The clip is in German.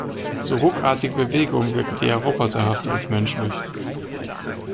So ruckartige Bewegungen wirken eher roboterhaft als menschlich.